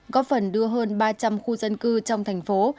góp phần đưa hơn ba trăm linh khu dân cư trong thành phố